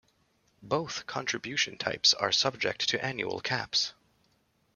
Both contribution types are subject to annual caps.